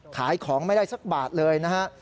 ขายของไม่ได้สักบาทเลยนะฮะ